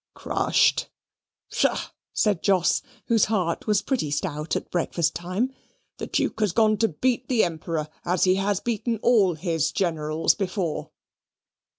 "Crushed, psha!" said Jos, whose heart was pretty stout at breakfast time. "The Duke has gone to beat the Emperor as he has beaten all his generals before."